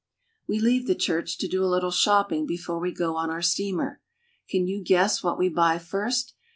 We leave the church, to do a little shopping before we go on our steamer. Can you guess what we buy first?